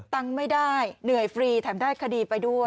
ตังค์ไม่ได้เหนื่อยฟรีแถมได้คดีไปด้วย